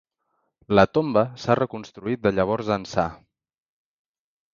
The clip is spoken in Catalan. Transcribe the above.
La tomba s'ha reconstruït de llavors ençà.